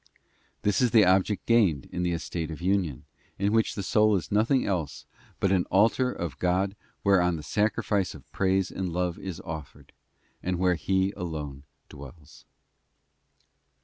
This is the object gained in the estate of union, in which the soul is nothing else but an altar of God whereon the sacrifice of praise and love is offered, and where He alone dwells.